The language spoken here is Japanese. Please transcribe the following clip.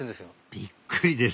びっくりです